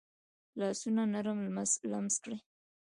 لاسونه نرم لمس لري